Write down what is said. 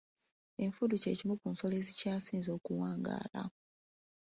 Enfudu kye kimu ku nsolo ezikyasinze okuwangaala.